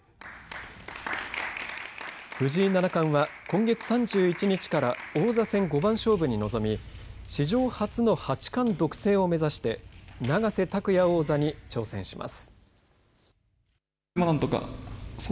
藤井七冠は今月３１日から王座戦五番勝負に臨み史上初の八冠独占を目指して永瀬拓矢王座に挑戦します。